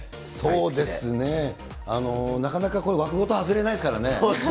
そうですね、なかなかこう、枠ごと外れないですからね。